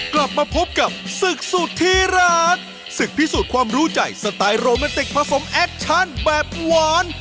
กลับมาพบกับศึกสุดที่รักศึกพิสูจน์ความรู้ใจสไตล์โรแมนติกผสมแอคชั่นแบบหวาน